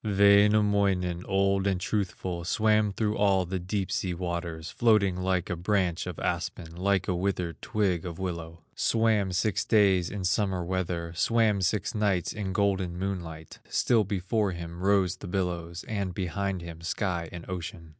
Wainamoinen, old and truthful, Swam through all the deep sea waters, Floating like a branch of aspen, Like a withered twig of willow; Swam six days in summer weather, Swam six nights in golden moonlight; Still before him rose the billows, And behind him sky and ocean.